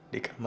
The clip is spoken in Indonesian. di kamar kita